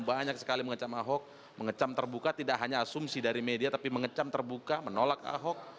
banyak sekali mengecam ahok mengecam terbuka tidak hanya asumsi dari media tapi mengecam terbuka menolak ahok